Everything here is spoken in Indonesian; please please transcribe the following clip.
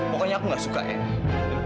pokoknya aku gak suka ya